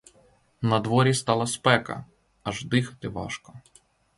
Надворі стала спека, аж дихати важко.